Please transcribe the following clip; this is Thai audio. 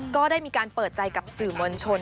ก็ได้มีการเปิดใจกับสื่อมวลชน